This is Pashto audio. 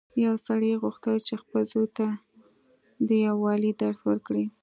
یو سړي غوښتل چې خپل زوی ته د یووالي درس ورکړي.